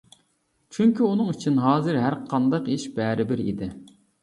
چۈنكى ئۇنىڭ ئۈچۈن ھازىر ھەرقانداق ئىش بەرىبىر ئىدى.